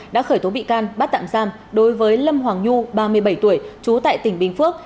đã khởi tố bị can bắt tạm giam đối với lâm hoàng nhu ba mươi bảy tuổi trú tại tỉnh bình phước